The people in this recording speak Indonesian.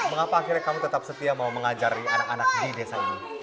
mengapa akhirnya kami tetap setia mau mengajari anak anak di desa ini